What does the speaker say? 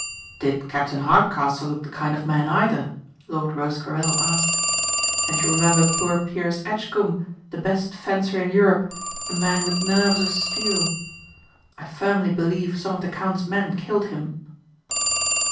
"Did Captain Hardcastle look the kind of man either?" Lord Rosecarrel asked. "And you remember poor Piers Edgcomb the best fencer in Europe, a man with nerves of steel? I firmly believe some of the count's men killed him."